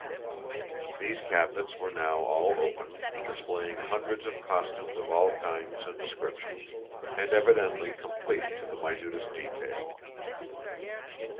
These cabinets were now all open, displaying hundreds of costumes of all kinds and descriptions, and evidently complete to the minutest detail.